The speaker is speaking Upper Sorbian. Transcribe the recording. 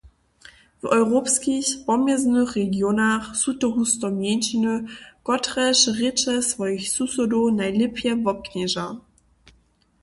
W europskich pomjeznych regionach su to husto mjeńšiny, kotrež rěče swojich susodow najlěpje wobknježa.